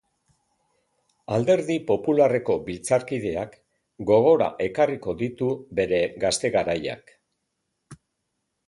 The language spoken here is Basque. Alderdi popularreko biltzarkideak, gogora ekarriko diru bere gazte garaiak.